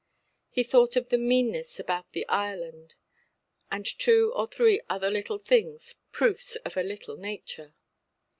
He thought of the meanness about the Ireland, and two or three other little things, proofs of a little nature.